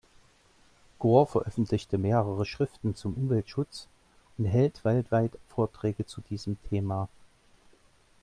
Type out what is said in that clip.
Gore veröffentlichte mehrere Schriften zum Umweltschutz, er hält weltweit Vorträge zu diesem Thema.